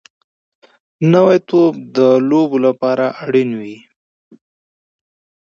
نوی توپ د لوبو لپاره اړین وي